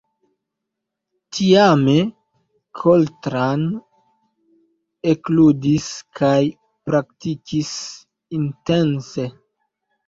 Tiame Coltrane ekludis kaj praktikis intense.